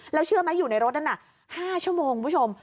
แล้วเชื่อไหมอยู่ในรถนั้นน่ะ๕ชั่วโมงคุณผู้ชม